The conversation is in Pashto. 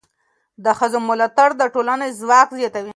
د ښځو ملاتړ د ټولنې ځواک زیاتوي.